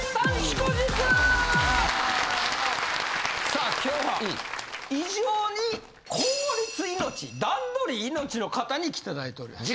さあ今日は異常に効率命段取り命の方に来て頂いております。